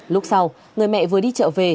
lúc sau người mẹ vừa đi chợ về